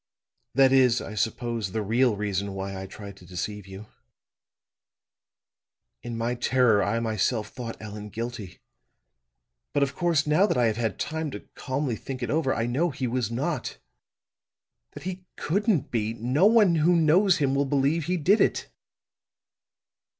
That is, I suppose, the real reason why I tried to deceive you. In my terror I myself thought Allan guilty. But, of course, now that I have had time to calmly think it over, I know he was not that he couldn't be! No one who knows him will believe he did it."